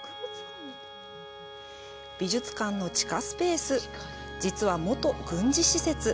美術館の地下スペース、実は元軍事施設。